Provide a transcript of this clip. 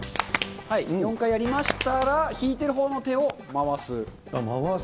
４回やりましたら引いてるほうの手を回す。